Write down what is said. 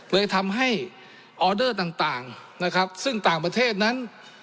เลยทำให้ออเดอร์ต่างนะครับซึ่งต่างประเทศนั้น